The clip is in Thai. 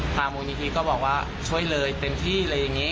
มูลนิธิก็บอกว่าช่วยเลยเต็มที่อะไรอย่างนี้